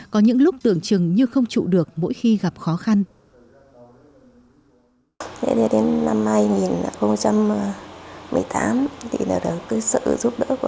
có những lúc tưởng tr seriousness lớn đó